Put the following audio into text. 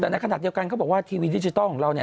แต่ในขณะเดียวกันเขาบอกว่าทีวีดิจิทัลของเราเนี่ย